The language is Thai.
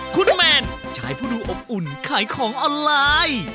คุณแมนชายผู้ดูอบอุ่นขายของออนไลน์